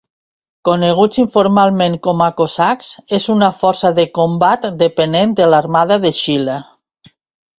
Coneguts informalment com a cosacs, és una força de combat depenent de l'Armada de Xile.